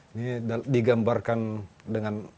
ini digambarkan dengan